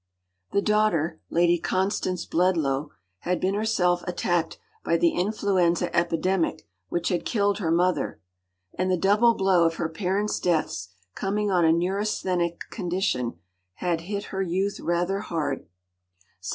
The daughter, Lady Constance Bledlow, had been herself attacked by the influenza epidemic which had killed her mother, and the double blow of her parents’ deaths, coming on a neurasthenic condition, had hit her youth rather hard.